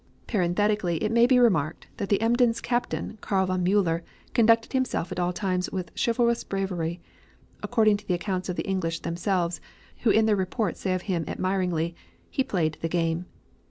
Parenthetically it may be remarked, that the Emden's captain, Karl von Mueller, conducted himself at all times with chivalrous bravery, according to the accounts of the English themselves, who in their reports say of him, admiringly, "He played the game."